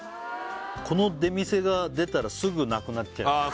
この出店が出たらすぐなくなっちゃうよねああ